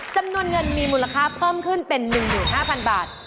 จำนวนเงินมีมูลค่าเพิ่มขึ้นเป็น๑๕๐๐๐บาท